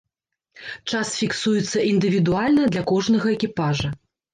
Час фіксуецца індывідуальна для кожнага экіпажа.